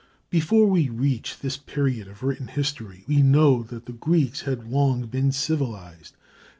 Before we reach this period of written history we know that the Greeks had long been civilized.